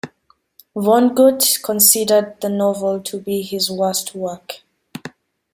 Vonnegut considered the novel to be his worst work.